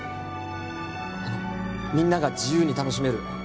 みんなが自由に楽しめる